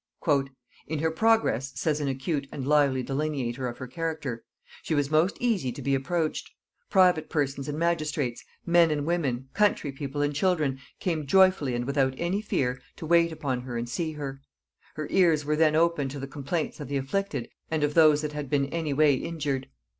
"In her progress," says an acute and lively delineator of her character, "she was most easy to be approached; private persons and magistrates, men and women, country people and children, came joyfully and without any fear to wait upon her and see her. Her ears were then open to the complaints of the afflicted and of those that had been any way injured.